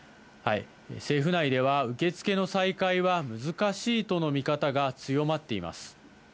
政府内では、受け付けの再開は難しいとの見方が強まっています。